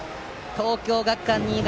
東京学館新潟